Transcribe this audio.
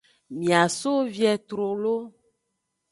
Mia so vie trolo.